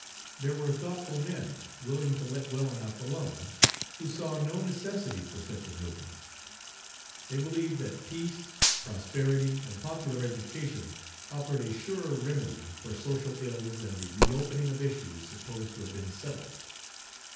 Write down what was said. There were thoughtful men, willing to let well enough alone, who saw no necessity for such a movement. They believed that peace, prosperity, and popular education offered a surer remedy for social ills than the reopening of issues supposed to have been settled.